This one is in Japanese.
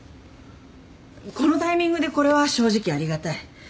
このタイミングでこれは正直ありがたい。